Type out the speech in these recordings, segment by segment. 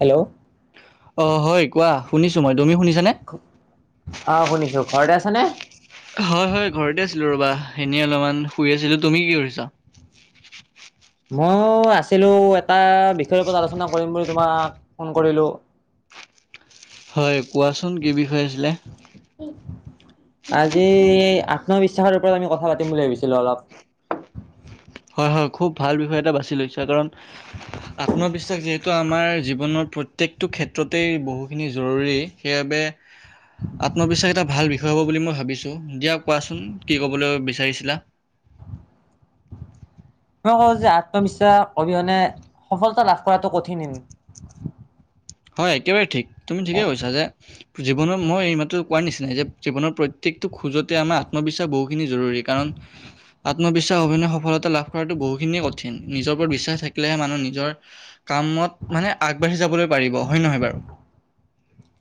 Hello অ হয় কোৱা শুনিছো মই তুমি শুনিছানে? আহ শুনিছো ঘৰতে আছ নে হয় হয় ঘৰতে আছিলো ৰবা এনে অলপমান শুই আছিলো তুমি কি কৰিছা? [unintelligible] মই আছিলো এটা বিষয়ৰ ওপৰত আলোচনা কৰিম বুলি তোমাক ফোন কৰিলো [unintelligible] হয় কোৱাচোন কি বিষয় আছিলে? আজি আত্মবিশ্বাসৰ ওপৰত আমি কথা পাতিম বুলি ভাবিছিলো অলপ- হয় হয় খুব ভাল বিষয় এটা বাছি লৈচা কাৰণ আত্মবিশ্বাস যিহেতু আমাৰ জীৱনত- প্ৰত্যেকটো ক্ষেত্ৰতেই বহুখিনি জৰুৰী সেইবাবে আত্মবিশ্বাস এটা ভাল বিষয় হ'ব বুলি মই ভাবিছো দিয়া কোৱাচোন কি কবলৈ বিচাৰিছিলা। [unintelligible] মই কওঁ যে আত্মবিশ্বাস অবিহনে সফলতা লাভ কৰাটো কঠিন হয় একেবাৰে ঠিক তুমি ঠিকে কৈছা যে জীৱনত মই এই মাতো কোৱাৰ নিচিনাই যে জীৱনৰ প্ৰত্যেকটো খোজতে আমাৰ আত্মবিশ্বাস বহুখিনি জৰুৰী কাৰণ- আত্মবিশ্বাস অভিনয়ত সফলতা লাভ কৰাটো বহুখিনিয়ে কঠিন নিজৰ ওপৰত বিশ্বাস থাকিলেহে মানুহ নিজৰ কামত মানে আগবাঢ়ি যাবলৈ পাৰিব হয় নহয় বাৰু।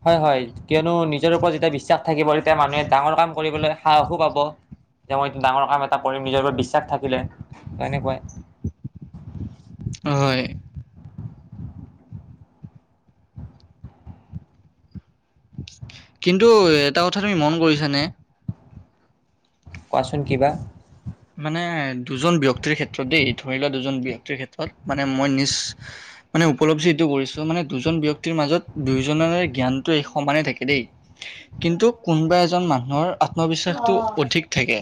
হয় হয় কিয়নো নিজৰ ওপৰত যেতিয়া বিশ্বাস থাকিব তেতিয়া মানুহে ডাঙৰ কাম কৰিবলৈ সাহসো পাব এতিয়া মই ডাঙৰ কাম এটা কৰিম নিজৰ ওপৰত বিশ্বাস থাকিলে তেনেকুৱাই। হয়। কিন্তু এটা কথা তুমি মন কৰিছানে? কোৱাচোন কিবা। মানে দুজন ব্যয়ক্তিৰ ক্ষেত্ৰত দেই ধৰি লোৱা দুজন ব্যয়ক্তিৰ ক্ষেত্ৰত মানে মই নিজ- মানে উপলব্ধি এইটো কৰিছোঁ। মানে দুজন ব্যক্তিৰ মাজত দুয়োজনে জ্ঞানটো এই সমানে থাকে দেই- কিন্তু কোনোবা এজন মানুহৰ আত্মবিশ্বাসটো অধিক থাকে।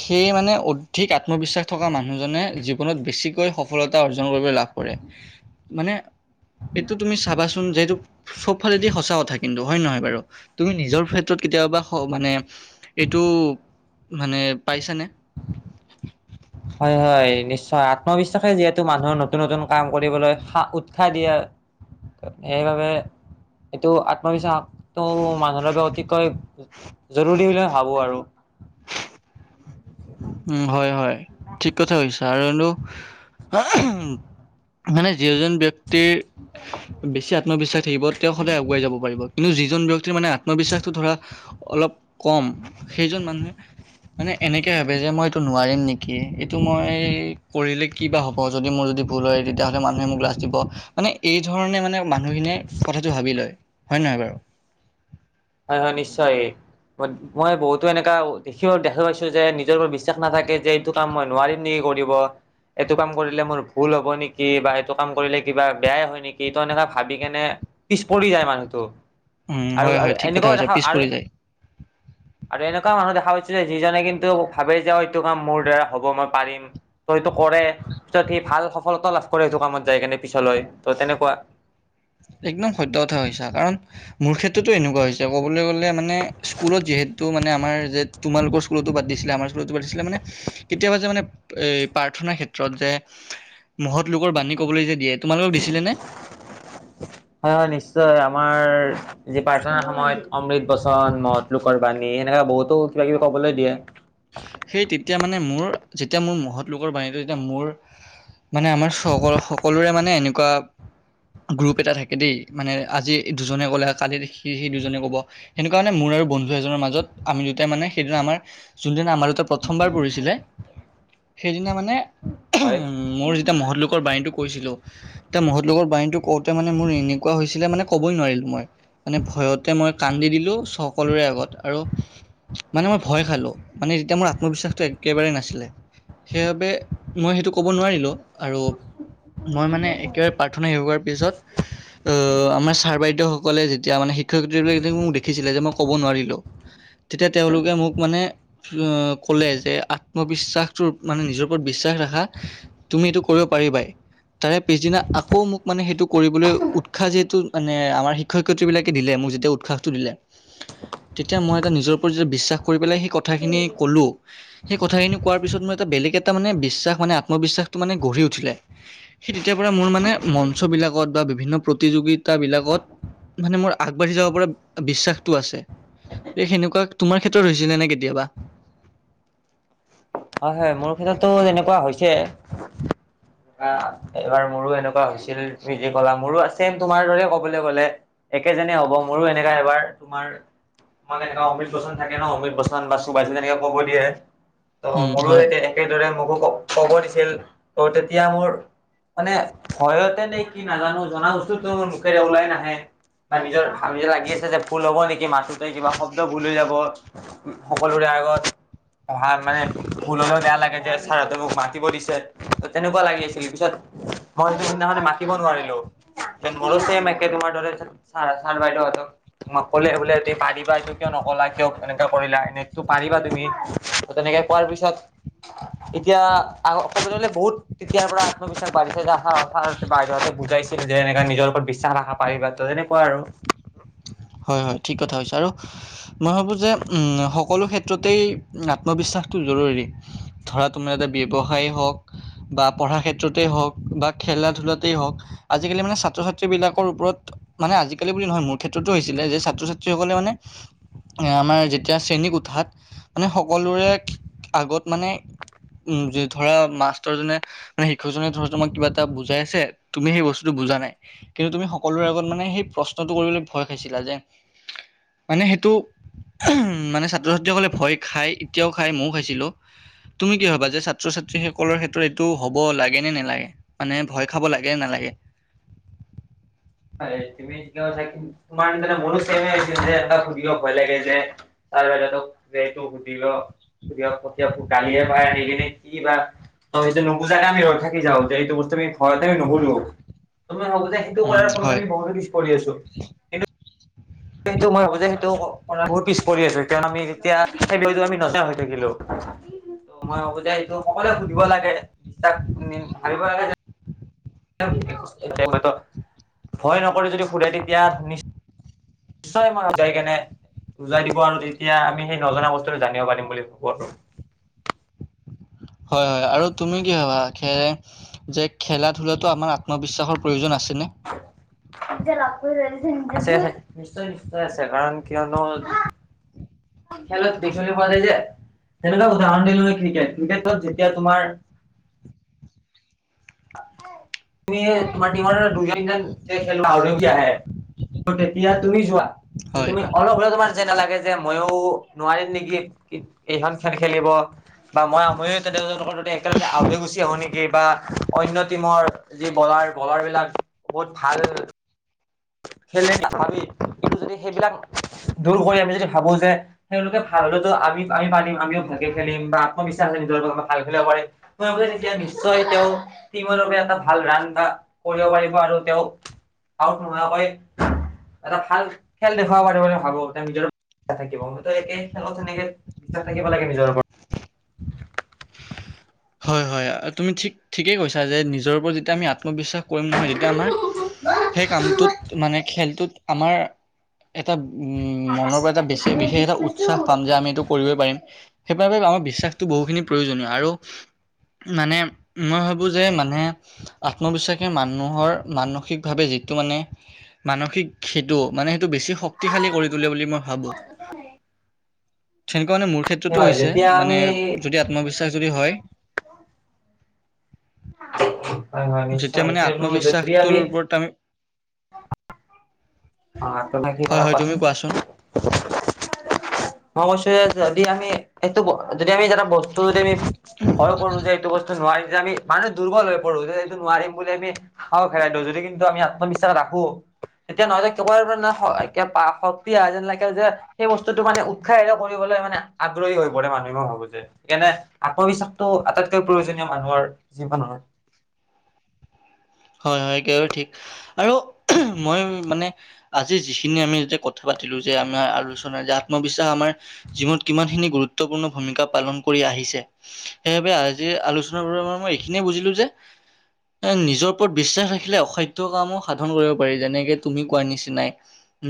সেয়ে মানে অধিক আত্মবিশ্বাস থকা মানুহজনে জীৱনত বেছিকৈ সফলতা অৰ্জন কৰিবলৈ লাভ কৰে। মানে এইটো তুমি চাবাচোন যেটো চব ফালেদি সঁচা কথা কিন্তু। হয়ে নহয় বাৰু তুমি নিজৰ ক্ষেত্ৰত কেতিয়াবা মানে এইটো মানে- পাইছানে? হয় হয় নিশ্চয় আত্মবিশ্বাসে যিহেতু মানুহৰ নতুন নতুন কাম কৰিবলৈ উৎসা উৎসাহ দিয়া- সেইবাবে এইটো আত্মবিশ্বাসটো মানুহৰ বাবে অতিকৈ। জৰুৰী বুলি ভাবোঁ আৰু। উ হয় হয় ঠিক কথা কইছা আৰু নো। মানে যিজন ব্যক্তি। তিৰ বেছি আত্মবিশ্বাস থাকিব তেওঁ সদায় আগুৱাই যাব পাৰিব। কিন্তু যিজন ব্যয়ক্তিৰ মানে আত্মবিশ্বাসটো ধৰা অলপ কম সেইজন মানুহে। মানে এনেক। কে ভাবে যে মই এইটো নোৱাৰিম নেকি? এইটো মই কৰিলে কি বা হ'ব যদি মোৰ যদি ভুল হয় তেতিয়া। কাণে মানুহে মোক লাাজ দিব মানে এই ধৰণে মানে। নাই মানুহ খিনিয়ে কঠাতো ভাবি লয় হয় নহয় বাৰু। হয় হয় নিশ্চয়। মই বহুতো এনেকা দেখি দেখা পাইছোঁ। যে নিজৰ ওপৰত বিশ্বাস নাথাকে যে এইটো কাম মই নোৱাৰিম নেকি। কৰিব। এইটো কাম কৰিলে মোৰ ভুল হ'ব নেকি? বা এইটো কাম কৰিলে কিবা বেয়াই হয় নেকিটো এনেকুৱা ভাবি কেনে পিছ পৰি যায় মানুহটো। উম আৰু হয় আৰু হয় ঠিক কথা এনেকুৱাও কৈছা দেখা পিছ আৰু পৰি যায়। আৰু এনেকুৱা মানুহ দেখা পাইছোঁ যে যিজনে কিন্তু ভাবে যে এইটো কাম মোৰ দ্বাৰা হ'ব মই পাৰিম। ত সেইটো কৰে পিছত সি ভাল সফলতা লাভ কৰে সেইটো কামত যায় কেনে পিছলৈ ত তেনেকুৱা। [inaudible] একদম সত কথা কইছা কাৰণ মোৰ ক্ষেত্ৰতো এনেকুৱা হৈছে ক'বলৈ গ'লে মানে স্কুলত যিহেতু তু মানে যে তোমালোকৰ স্কুলতো পাতিছিল- আমাৰ স্কুলত পাতিছিলে মানে কেতিয়াবা যে মানে প্ৰাৰ্থনাৰ ক্ষেত্ৰত যে। মহত লোকৰ বাণী ক'বলৈ যে দিয়ে তোমালোকক দিছিলে নে। হয় হয় নিশ্চয় আমাৰ যি প্ৰাৰ্থনাৰ সময়ত। অমৃত বচন মহতলোকৰবাণী এনেককা বহুতো কিবা কিবি ক'বলৈ দিয়ে। সেই তেতিয়া মানে মোৰ যেতিয়া মোৰ মহৎ লোকৰ বাণীটো তেতিয়া মোৰ মানে আমাৰ সক সকলোৰে মানে এনেকুৱা গ্ৰুপ এটা থাকে দেই। মানে আজি দুজনে ক'লে, কালি সি সেই দুজনে ক'ব সেনেকুৱা মানে মোৰ বন্ধু এজনৰ মাজত আমি দুটাই মানে সেইদিনা আমাৰ যোনদিনা আমাৰ সেই ত প্ৰথমবাৰ পঢ়িছিলে, সেইদিনা মানে উ হয়। মোৰ যেতিয়া মহৎলোকৰ বাণীটো কৈছিলোঁ, ত মহৎ লোকৰ বাণীতো কওঁতে মানে মোৰ এনেকুৱা হৈছিলে মানে ক'বই নোৱাৰিলোঁ মই। মানে ভয়তে মই কান্দি দিলোঁ। লো সকলোৰে আগত আৰু মানে মই ভয় খালোঁ। মানে যেতিয়া মোৰ আত্মবিশ্বাসটো একেবাৰে নাছিলে। সেইবাবে মই সেইটো ক'ব নোৱাৰিলোঁ। আৰু মই মানে একেবাৰে প্ৰাৰ্থনা হেৰুৱাৰ পিছত লা আমাৰ ছাৰ বাইদেউ সকলে যেত তিয়া মানে শিক্ষক-শিক্ষয়িত্ৰীবোৰে মোক দেখিছিলে যে মই ক'ব নোৱাৰিলোঁ তেতিয়া তেওঁলোকে মোক মানে ও কলে যে আত্মবিশ্বাসটোৰ মানে নিজৰ ওপৰত বিশ্বাস ৰাখা, তুমি এইটো কৰিব পাৰিবাই। তাৰে পিছদিনা আকৌ মোক মানে সেইটো কৰিবলৈ উৎসাহ যিহেতু মানে আমাৰ শিক্ষক শিক্ষয়িত্ৰী বিলাকে দিলে। মোক যেতিয়া উৎসাহটো দিলে, তেতিয়া মই এটা নিজৰ ওপৰত যেতিয়া বিশ্বাস কৰি পেলাই সেই কথাখিনি ক'লোঁ সেই কথাখিনি কোৱাৰ পিছত মোৰ এটা বেলেগ এটা মানে বিশ্বাস মানে আত্মবিশ্বাসটো মানে গঢ়ি উঠিলে। সে তেতিয়াৰ পৰা মোৰ মানে মঞ্চ বিলাকত বা বিভিন্ন প্ৰতিযোগিতা বিলাকত মানে মোৰ আগবাঢ়ি যাব পৰা বিশ্বাসটো আছে। এই সেনেকুৱা, তোমাৰ ক্ষেত্ৰত হৈছিলে নে কেতিয়াবা? হয়, হয়। মোৰ ক্ষেত্ৰটো তেনেকুৱা হৈছে। এইবাৰ মোৰো এনেকুৱা হৈছিল। তুমি যি কলা মোৰো আছিল তোমাৰ দৰে কবলে গলে। একে যেনে হ'ব। মোৰো এনেকা এবাৰ তোমাৰ মানে এনেকুৱা অমৃত বচন থাকে ন অমৃত বচন বা সুভাচিছ তেনেকে ক'ব দিয়ে। ত উম, মোৰো হয়, স একেদৰে মোকো ক'ব দিছিল ত তেতিয়া মোৰ মানে ভয়তে নে কি নাজানো। জনা বস্তুটো মুখেৰে ওলাই নাহে। বা নিজৰ নিজে লাগি আছে ভাবি লাগি আছে যে ভুল হ'ব নেকি মাতটো। গো কিবা শব্দ ভুল হৈ যাব সকলোৰে আগত অহা মানে ভুল হলেও বেয়া লাগে যে ছাৰহঁতে মোক মাতিব দিছে। তেনেকুৱা লাগি আছিল পিছত মই সেইদিনাখনে মাতিব নোৱাৰিলো। মোৰো চেম একে তোমাৰ দৰে ছাৰ বাইদেউহতক মক ক'লে বোলে ত পাৰিবা এইটো কিয় নক নকলা কিয়? এনেকুৱা কৰিলা। এনেটো পাৰিবা তুমি। ত তেনেকে কোৱাৰ পিছত এতিয়া অকলে বহুত তেতিয়াৰ পৰা আত্মবিশ্বাস বাঢ়িছে যে অ ছাৰ বাইদেউহতে বুজে। পাইছিল যে এনেকা নিজৰ ওপৰত বিশ্বাস ৰাখা, পাৰিবা তো। তেনেকুৱা আৰু। হয়, হয়। ঠিক কথা হৈছে আৰু মই ভাবোঁ যে উম সকলো ক্ষেত্ৰতেই আত্মবিশ্বাসটো জৰুৰী। ধৰা তোমাৰ এটা ব্যৱসায় হওঁক বা পঢ়া ক্ষেত্ৰতেই হওঁক বা খেলা ধূলাতেই হওঁক। আজি-কালি মানে ছাত্ৰ-ছাত্ৰীবিলাকৰ ওপৰত মানে আজিকালি বুলি নহয়। মোৰ ক্ষেত্ৰতো হৈছিলে যে ছাত্ৰ-ছাত্ৰীসকলে মানে আমাৰ যেতিয়া শ্ৰেণীক উঠাত মানে সকলোৰে আগত মানে উম ধৰা মাষ্টৰজনে নে শিক্ষকজনে ধৰা তোমাক কিবা এটা বুজাই আছে, তুমি সেই বস্তুটো বুজা নাই। কিন্তু তুমি সকলোৰে আগত মানে সেই প্ৰশ্নটো কৰিবলৈ ভয় খাইছিলা যে মানে সেইটো মানে ছাত্ৰ-ছাত্ৰীসকলে ভয় খায়। এতিয়াও খাই, মইও খাইছিলো। তুমি কি ভাবা যে ছাত্ৰ-ছাত্ৰী সকলৰ ক্ষেত্ৰত এইটো হ'ব লাগে নে নেলাগে? মানে ভয় খাব লাগে নে না লাগে তুমি চ কি তোমাৰ নিচিনা মোৰো চেম [unintelligible] যে এ সুধিব ভয় লাগে যে তাৰ [unintelligible] সেইটো সুধি ল। কেতিয়াবা ফটকে আকৌ গালিয়ে পাৰে নেকি [unintelligible] কি বা তই সেই নুবুজাকে আমি ৰৈ থাকি যাও যে, এইটো বস্তু আমি ঘৰত আমি নুবুজো। তমাৰ মাজতে সেইটো উম কৰাৰ ফলত হয় আমি বহুতো পিছ পৰি আছো। কিন্তু সেইটো মই ভাবো যে সেইটো মানে বহুত পিছ পৰি আছো। এতিয়া আমি তেতিয়া সেইটো আমি নজনা হৈ থাকিলো [unintelligible] ত মই আতি এইটো সকলোৱে সুধিব লাগে বিশ্বাস ভাবিব লাগে। ভয় নকৰি যদি সুধে তেতিয়া নিশ্চয় যায়কিনে বুজাই দিব আৰু তেতিয়া আমি সেই নজনা বস্তুটো জানিব পাৰিম বুলি ভাবো আৰু [inaudible] হয় হয় আৰু তুমি কি ভাবা খে যে খেলা ধূলাতো আমাৰ আত্মবিশ্বাসৰ প্ৰয়োজন আছে। নে আছে আছে নিশ্চয় নিশ্চয় আছে কাৰণ কিয়নো খেলত পালি যে তেনেকুৱা উদাহৰণ দিল ক্ৰিকেট ক্ৰিকেটত যেতিয়া তোমাৰ [inaudible] তুমি তোমাৰ টিমৰ দুজন যেন এই খেল আৰকি আহে তেতিয়া তুমি যোৱা হয় তুমি অলপ হল তোমাৰ যে নালাগে যে ময়ো নোৱাৰিম নেকি এইখন খেল খেলিব বা মই আময়ো তেৰৰ ত একেলগে আউতে গুচি আহো নেকি বা অন্য টিমৰ যি বলাৰ বলাৰ বিলাক বহুত ভাল খেলে আৰু এইটো যদি সেইবিলাক দূৰ কৰি আমি যদি ভাবো যে তেওঁলোকে ভাল হলে আমি আমি পাৰিম আমিও ভালকে খেলিম বা আত্মবিশ্বাস, ভ এতিয়া নিশ্চয় তেওঁ টিমৰ এটা ভাল টিমৰ বাবে ভাল ৰাণ কৰি আৰু তেওঁ আউট নোহাকৈ এটা ভাল খেল দেখুৱাব পাৰি বুলি ভাবো তেওঁ নিজৰ থাকিব মতো একে খেলত সেনেকে বিশ্বাস থাকিব লাগে নিজৰ ওপৰত [inaudible] হয় হয় তুমি ঠিক ঠিকেই কৈছা যে নিজৰ ওপৰত যেতিয়া আমি আ মই বিশ্বাস কৰিম নহয় তেতিয়া আমাৰ সেই কামটোত মানে খেলটোত আমাৰ এটা উম মনৰ পৰা এটা বে বিশেষ এটা উৎসাহ পাম যে আমি এইটো কৰিবই পাৰিম সেইবাবে আমাৰ বিশ্বাসটো বহুখিনি প্ৰয়োজনীয় আৰু মানে মই ভাবো যে মানে আত্মবিশ্বাসে মানুহৰ মানসিকভাৱে যিটো মানে মানসিক সেইটো মানে বেছি শক্তিশালী কৰি তোলে বুলি মই ভাবো তেনেকুৱা মানে মোৰ ক্ষেত্ৰতো হয় হৈছে যেতিয়া মানে আমি যদি আত্মবিশ্বাস যদি হয় হয় হয় যেতিয়া নিশ্চয় মানে যদি আত্মবিশ্বাসটোৰ আমি ওপৰত আমি [inaudible] অ আে কি হয় বেলা হয় তুমি কচোন কোৱাচোন। অৱ [unintelligible] যদি আমি এইটো যদি আমি এটা বস্তু যদি আমি ভয় কৰো যে এইটো বস্তু নোৱাৰি আমি মানুহ দুৰ্বল হৈ পৰো যে এইটো নোৱাৰিম বুলি আমি খাওঁ খেলাই যদি কিন্তু আমি আত্মবিশ্বাস ৰাখো এতিয়া নহলে শক্তি আহা যেন লাগে যে সেই বস্তুটো মানে উৎসাহিত কৰিবলৈ মানে হৈ পৰে মানুহে ভাবো যে সকাৰে আত্মবিশ্বাসটো আটাইতকৈ প্ৰয়োজনীয় মানুহৰ জীৱনৰ হয় হয় সেইটো ঠিক আৰু মই মানে আজি যিখিনি আমি যেতিয়া কথা পাতিলোঁ যে আমাৰ আলোচনাৰ যে আত্মবিশ্বাস আমাৰ জীৱনত কিমানখিনি গুৰুত্বপূৰ্ণ ভূমিকা পালন কৰি আহিছে সেইবাবে আজিৰ আলোচনাৰোৰ মই এইখিনি বুজিলো যে এ নিজৰ পৰত বিশ্বাস ৰাখিলে অসাধ্য কামো সাধন কৰিব পাৰি যেনেকে তুমি কোৱাৰ নিচিনাই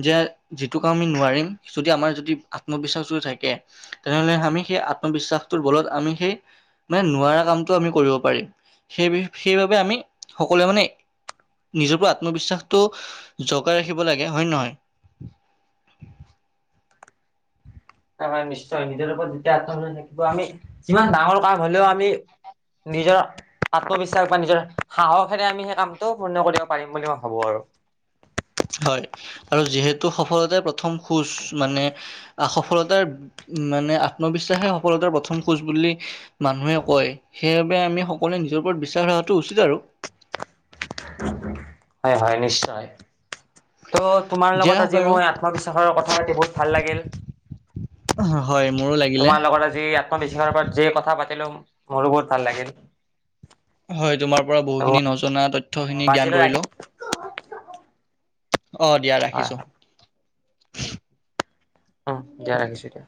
যে সেইটো ক আমি নোৱাৰিম যদি আমাৰ যদি আত্মবিশ্বাস থাকে তেনেহ'লে আমি সেই আত্মবিশ্বাসটোৰ ফলত আমি সেই মানে নোৱাৰা কামতটো আমি কৰিব পাৰিম সেই সেইবাবে আমি সকলোৱে মানে নিজৰ পৰা আত্মবিশ্বাসটো জগাই ৰাখিব লাগে হয় নহয়? [inaudible] হয়', -হয়', নিশ্চয় নিজৰ ওপৰত যেতিয়া আত্মবিশ্বাস থাকিব আমি যিমান ডাঙৰ কাম হ'লেও আমি নিজৰ আত্মবিশ্বাস বা নিজৰ সাহসেৰে আমি সেই কামটো পূৰ্ণ কৰিব পাৰিম বুলি মই ভাবোঁ আৰু! হয় আৰু যিহেতু সফলতাই প্ৰথম খোজ মানে সফলতাৰ মা', - মানে আত্মবিশ্বাসে সফলতাৰ প্ৰথম খোজ বুলি মানুহে কয় সেইবাবে আমি সকলোৱে নিজৰ ওপৰত বিশ্বাস ৰখাটো উচিত আৰু। হয়', - হয়', নিশ্চয়। ত', তোমাৰ দিয়া লগত আজি বাৰু মই আত্মবিশ্বাসৰ কথা পাতি বহুত ভাল লাগিল হয় মোৰো লাগিলে তোমাৰ লগত আজি আত্মবিশ্বাসৰ ওপৰত যে কথা পাতি পাতিলোঁ', - মোৰো বৰ ভাল লাগিল হয়, তোমাৰ পৰা বহুখিনি নজনা তথ্যখিনি জ্ঞান আজিলৈ ৰাখি কৰিলোঁ হয়', অ', দিয়া ৰাখিছোঁ। হয় অ', দিয়া ৰাখিছোঁ এতিয়া।